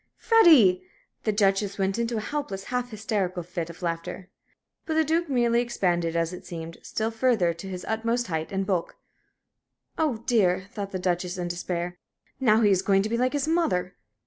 "Freddie!" The Duchess went into a helpless, half hysterical fit of laughter. But the Duke merely expanded, as it seemed, still further to his utmost height and bulk. "Oh, dear," thought the Duchess, in despair, "now he is going to be like his mother!"